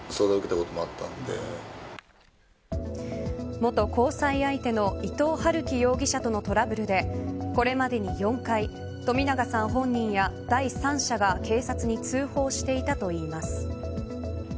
元交際相手の伊藤龍稀容疑者とのトラブルでこれまでに４回冨永さん本人や第三者が警察に通報していたといいます。